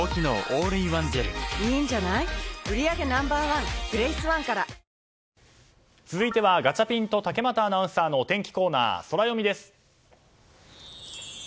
サントリー「ＶＡＲＯＮ」続いてはガチャピンと竹俣アナウンサーのお天気コーナー、ソラよみです。